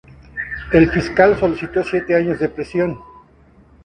El fiscal solicitó siete años de prisión.